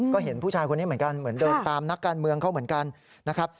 ก็เห็นผู้ชายคนนี้เหมือนกันเหมือนเดินตามนักการเมืองเขาเหมือนกันนะครับ